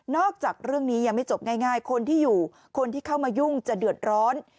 จากเรื่องนี้ยังไม่จบง่ายคนที่อยู่คนที่เข้ามายุ่งจะเดือดร้อน